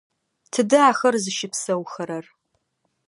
Тыдэ ахэр зыщыпсэухэрэр?